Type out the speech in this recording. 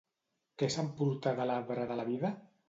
Què s'emportà de l'arbre de la Vida?